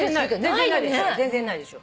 全然ないでしょ。